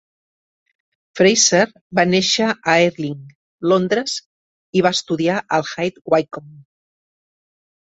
Fraser va néixer a Ealing, Londres i va estudiar a High Wycombe.